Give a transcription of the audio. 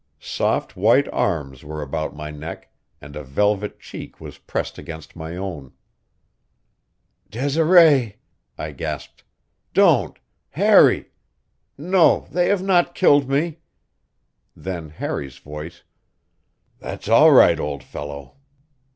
Soft white arms were about my neck, and a velvet cheek was pressed against my own. "Desiree!" I gasped. "Don't! Harry! No, they have not killed me " Then Harry's voice: "That's all right, old fellow.